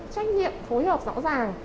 trách nhiệm phối hợp rõ ràng